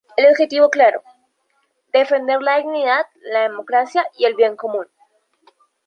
El objetivo claro: defender la dignidad, la democracia y el bien común.